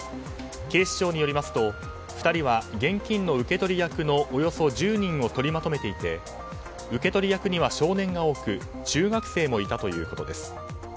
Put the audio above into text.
警視庁によりますと２人は現金の受け取り役のおよそ１０人を取りまとめていて受け取り役には少年が多く中学生もいたということです。